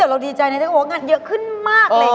เออแต่เราดีใจนะงานเยอะขึ้นมากเลยค่ะ